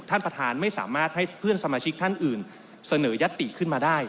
ท่านประธานไม่สามารถให้เพื่อนสมาชิกท่านอื่นเสนอยัตติขึ้นมาได้